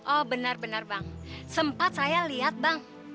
oh benar benar bang sempat saya lihat bang